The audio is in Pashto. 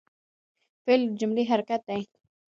فعل د جملې حرکت دئ.